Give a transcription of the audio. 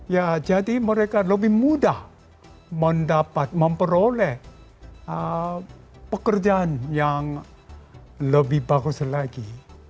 ya jadi mereka lebih mudah mendapat memperoleh pekerjaan yang lebih bagus lagi